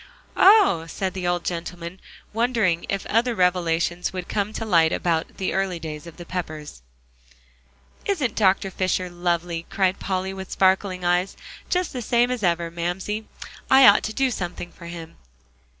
"Oh!" said the old gentleman, wondering if other revelations would come to light about the early days of the Peppers. "Isn't Dr. Fisher lovely?" cried Polly, with sparkling eyes, "just the same as ever. Mamsie, I ought to do something for him.